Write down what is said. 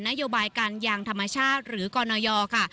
นโยบายการยางธรรมชาติหรือกรณยค่ะ